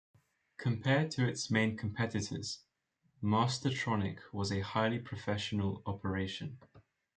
Compared to its main competitors, Mastertronic was a highly professional operation.